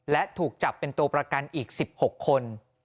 และถูกจับเป็นตัวประกันอีก๑๖คน